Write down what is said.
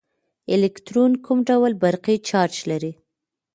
الکترون کوم ډول برقي چارچ لري.